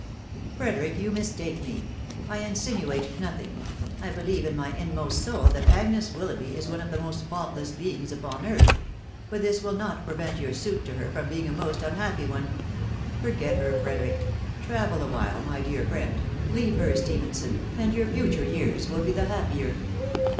" Frederick, you mistake me .... I insinuate nothing. ... I believe in my inmost soul that Agnes Willoughby is one of the most faultless beings upon earth. ••. But this will not prevent your suit to her from being a most unhappy one. .•. Forget her, Frederick .... travel awhile, my dear friend .... leave her, Stephenson, and your future years will be the happier."